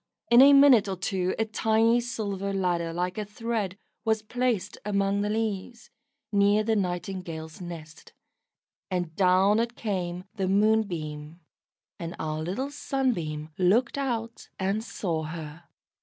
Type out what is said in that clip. In a minute or two a tiny silver ladder like a thread was placed among the leaves, near the Nightingale's nest, and down it came the Moonbeam, and our little Sunbeam looked out and saw her.